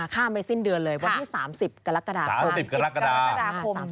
ข้ามไปสิ้นเดือนเลยวันที่๓๐กรกฎาคม